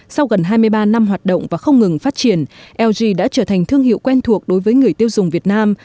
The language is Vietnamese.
sau gần hai mươi ba năm hoạt động và không ngừng phát triển lg đã trở thành thương hiệu quen thuộc đối với người tiêu dùng việt nam